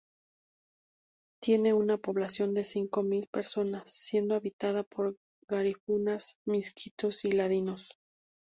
Tiene una población de cinco mil personas, siendo habitada por garífunas, misquitos y ladinos.